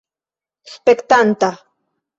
spektanta